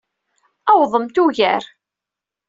Awḍemt ugar.